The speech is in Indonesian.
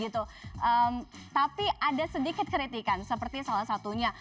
tapi ada sedikit kritikan seperti salah satunya